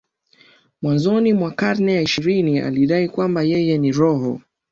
Mwanzoni mwa karne ya ishirini alidai kwamba yeye ni roho